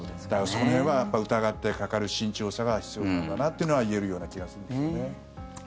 その辺は疑ってかかる慎重さが必要なんだなというのは言えるような気がするんですね。